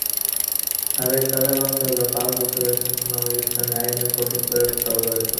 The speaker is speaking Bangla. সাবেক তালেবান সরকার পাঁচ বছরের শাসনামলে ইসলামি আইনের কঠোর প্রয়োগ চালু করেছিল।